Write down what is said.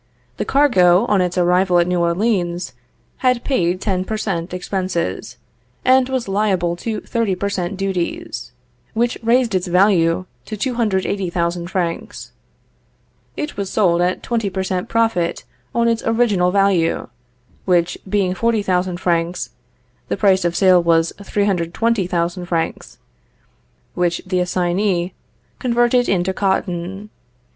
The cargo, on its arrival at New Orleans, had paid ten per cent. expenses, and was liable to thirty per cent. duties; which raised its value to 280,000 francs. It was sold at twenty per cent. profit on its original value, which being 40,000 francs, the price of sale was 320,000 francs, which the assignee converted into cotton.